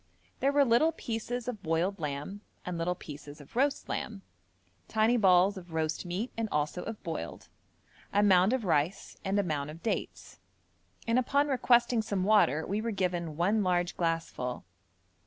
There were little pieces of boiled lamb, and little pieces of roast lamb; tiny balls of roast meat and also of boiled; a mound of rice and a mound of dates; and upon requesting some water we were given one large glassful.